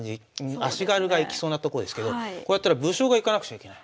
足軽がいきそうなとこですけどこうやったら武将がいかなくちゃいけない。